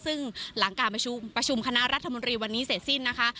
ซึ่งหลังการประชุมคณะรัฐมนตรีวันนี้เสร็จสิ้นนะคะ